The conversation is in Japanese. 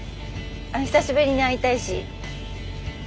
久しぶりに会いたいし。